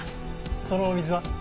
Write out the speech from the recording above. そのお水は？